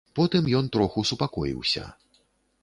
Потым ён троху супакоіўся.